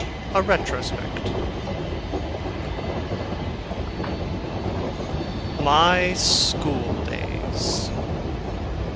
A RETROSPECT My school days!